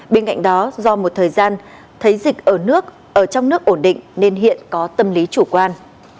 bên cạnh đó do một thời gian thấy dịch ở nước ở trong nước ổn định nên hiện có tâm lý chủ quan